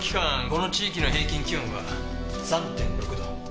この地域の平均気温は３．６度。